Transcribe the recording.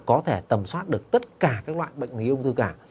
có thể tầm soát được tất cả các loại bệnh lý ung thư cả